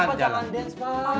pak jangan dance pak